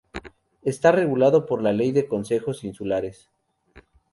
Está regulado por la Ley de Consejos Insulares.